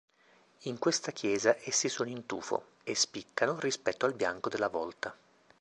In questa chiesa essi sono in tufo e spiccano rispetto al bianco della volta.